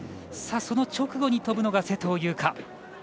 その直後に飛ぶのが勢藤優花。